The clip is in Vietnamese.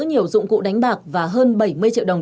nhiều dụng cụ đánh bạc và hơn bảy mươi triệu đồng